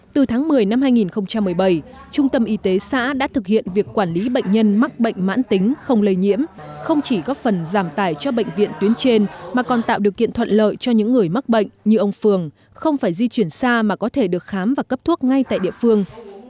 từ tháng một mươi năm hai nghìn một mươi bảy trung tâm y tế xã đã thực hiện việc quản lý bệnh nhân mắc bệnh mãn tính không lây nhiễm không chỉ góp phần giảm tải cho bệnh viện tuyến trên mà còn tạo điều kiện thuận lợi cho những người mắc bệnh như ông phường không phải di chuyển xa mà có thể được khám và cấp thuốc ngay tại địa phương